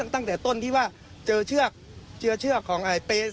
ตั้งแต่ต้นที่ว่าเจอเชือกเจอเชือกของเป๊ะ